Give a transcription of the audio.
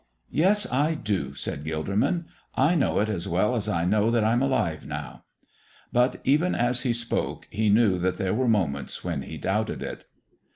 "Yes, I do," said Gilderman; "I know it as well as I know that I'm alive now." But even as he spoke he knew that there were moments when he doubted it.